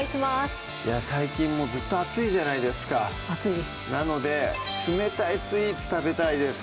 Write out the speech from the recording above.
最近ずっと暑いじゃないですか暑いですなので冷たいスイーツ食べたいです